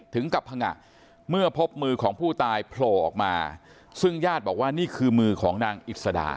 ถึงกับพังงะเมื่อพบมือของผู้ตายโผล่ออกมาซึ่งญาติบอกว่านี่คือมือของนางอิสดา